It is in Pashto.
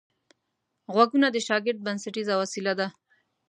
غوږونه د شاګرد بنسټیزه وسیله ده